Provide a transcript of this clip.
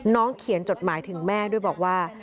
เขียนจดหมายถึงแม่ด้วยบอกว่า